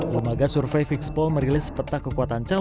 lembaga survei fixpol merilis peta kekuatan calon